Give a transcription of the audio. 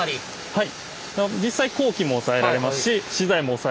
はい。